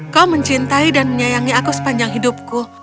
kau mencintai dan menyayangi aku sepanjang hidupku